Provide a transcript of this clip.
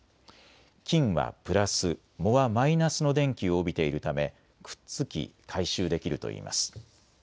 金はプラス、藻はマイナスの電気を帯びているためくっつき回収できるといいます。